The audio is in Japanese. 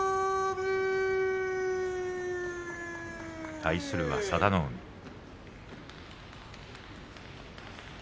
対するは佐田の海です。